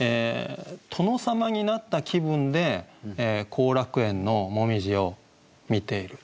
殿様になった気分で後楽園の紅葉を見ている。